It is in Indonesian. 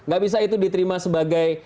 gak bisa itu diterima sebagai